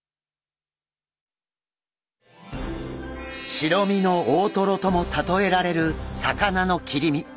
白身の大トロとも例えられる魚の切り身。